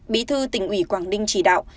bí thư tỉnh ủy quảng ninh chỉ đạo